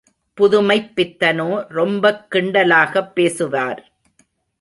புதுமைப் பித்தனோ ரொம்பக் கிண்டலாகப் பேசுவார்.